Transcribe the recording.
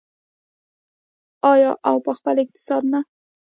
آیا او په خپل اقتصاد نه ده؟